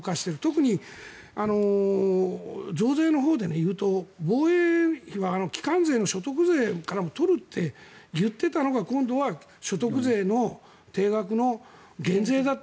特に増税のほうで言うと防衛費は基幹税の所得税からも取るって言ってたのが、今度は所得税の定額の減税だって。